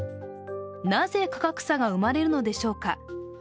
なぜ価格差が生まれるのでしょうか。